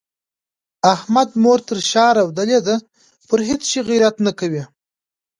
احمد مور تر شا رودلې ده؛ پر هيڅ شي غيرت نه کوي.